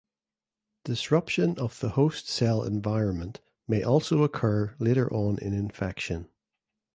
Disruption of the host cell environment may also occur later on in infection.